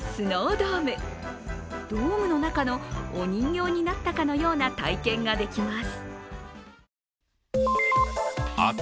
ドームの中のお人形になったかのような体験ができます。